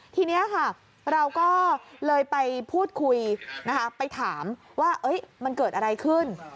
ทีนี้ค่ะเราก็เลยไปพูดคุยนะคะไปถามว่ามันเกิดอะไรขึ้น